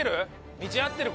道合ってる？